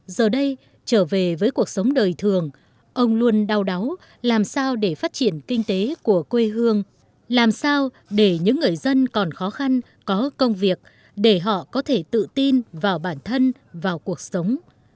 giờ đây trở về với cuộc sống đời thường ông luôn đau đáu làm sao để phát triển kinh tế của quê hương làm sao để những người dân còn khó khăn có công việc để họ có thể tự tin vào bản thân vào cuộc sống